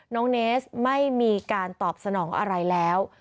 น้องเนสไม่มีการตอบสนองอะไรแล้ว